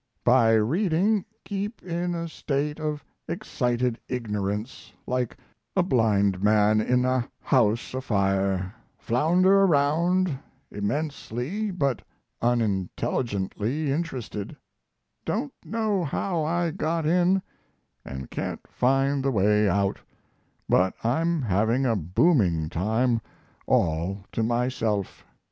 By reading keep in a state of excited ignorance, like a blind man in a house afire; flounder around, immensely but unintelligently interested; don't know how I got in and can't find the way out, but I'm having a booming time all to myself.